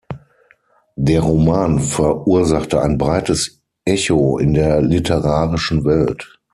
Der Roman verursachte ein breites Echo in der literarischen Welt.